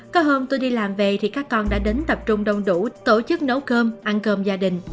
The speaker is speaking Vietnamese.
có hôm tôi đi làm về thì các con đã đến tập trung đông đủ tổ chức nấu cơm ăn cơm gia đình